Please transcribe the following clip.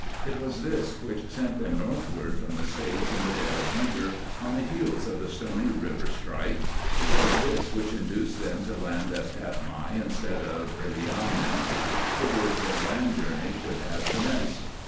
It was this which sent them northward from the States in the dead of winter, on the heels of the Stony River strike; it was this which induced them to land at Katmai instead of Illiamna, whither their land journey should have commenced.